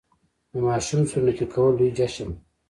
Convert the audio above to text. د ماشوم سنتي کول لوی جشن وي.